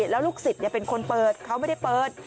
แล้วลูกศิษย์เป็นคนเปิดเขาไม่ได้เปิด